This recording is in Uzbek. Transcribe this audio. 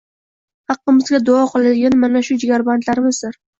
haqqimizga duo qiladigan mana shu jigarbandlarimizdir.